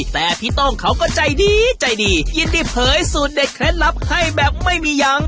แต่พี่ต้องเขาก็ใจดีใจดียินดีเผยสูตรเด็ดเคล็ดลับให้แบบไม่มียัง